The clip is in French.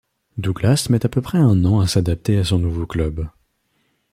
Douglas met à peu près un an à s'adapter à son nouveau club.